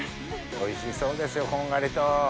おいしそうですよこんがりと。